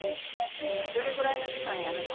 どれぐらいの時間やるの？